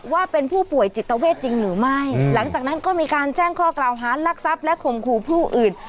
ว่าเป็นผู้ป่วยจิตเวทจริงหรือไม่หลังจากนั้นก็มีการแจ้งข้อกล่าวหารักทรัพย์และข่มขู่ผู้อื่น